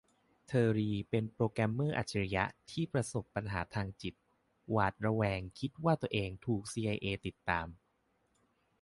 เทอร์รีเป็นโปรแกรมเมอร์อัจฉริยะที่ประสบปัญหาทางจิต หวาดระแวงคิดว่าตัวเองถูกซีไอเอติดตาม